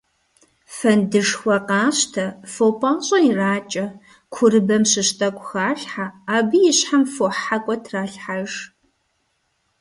Фэндышхуэ къащтэ, фо пIащIэ иракIэ, курыбэм щыщ тIэкIу халъхьэ, абы и щхьэм фохьэкIуэ тралъхьэж.